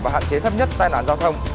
và hạn chế thấp nhất tai nạn giao thông